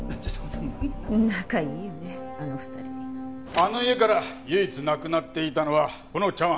あの家から唯一なくなっていたのがこの茶碗。